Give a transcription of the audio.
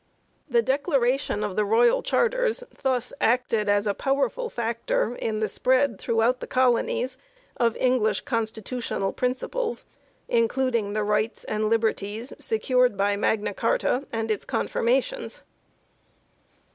The declaration of the royal charters thus acted as a powerful factor in the spread throughout the colonies of English constitutional principles including the rights and I9 o THE INFLUENCE OF MAGNA CARTA liberties secured by Magna Carta and its confirma tions.